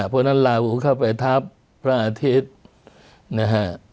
เพราะฉะนั้นลาหูเข้าไปทับพระอาทิตย์นะฮะ